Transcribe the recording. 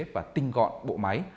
và tinh gọn bộ máy